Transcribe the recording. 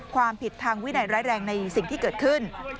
ความผิดทางวินัยร้ายแรงในสิ่งที่เกิดขึ้น